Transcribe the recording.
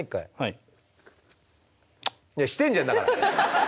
いやしてんじゃんだから。